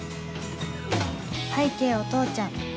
拝啓お父ちゃん